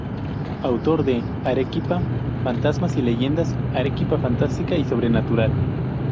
Autor de "Arequipa, fantasmas y leyendas", "Arequipa, fantástica y sobrenatural.